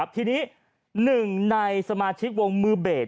ทีนี้๑ในสมาชิกวงมือเบส